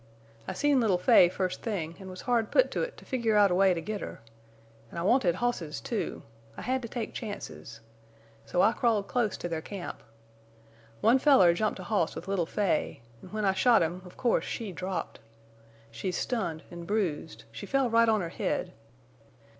I seen little Fay first thing, en' was hard put to it to figure out a way to get her. An' I wanted hosses, too. I had to take chances. So I crawled close to their camp. One feller jumped a hoss with little Fay, an' when I shot him, of course she dropped. She's stunned an' bruised—she fell right on her head.